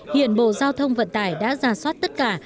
hiện bộ giao thông vận tải đã ra soát tất cả